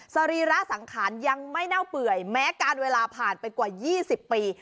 สรีระสังขารยังไม่เน่าเปื่อยแม้การเวลาผ่านไปกว่า๒๐ปี